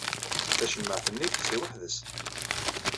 Tacemmaɛt-nni texsi weḥd-s.